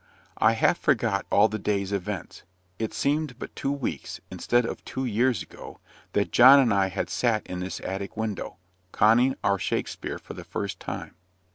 I half forgot all the day's events it seemed but two weeks, instead of two years ago, that John and I had sat in this attic window, conning our Shakspeare for the first time.